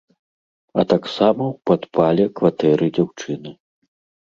А таксама ў падпале кватэры дзяўчыны.